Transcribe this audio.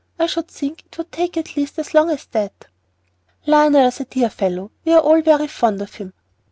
I should think it would take at least as long as that." "Lionel's a dear fellow. We are all very fond of him."